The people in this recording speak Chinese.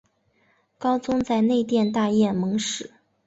高宗在内殿大宴蒙使。